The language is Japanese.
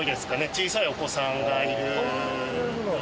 小さいお子さんがいるような。